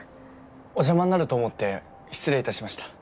お邪魔になると思って失礼いたしました。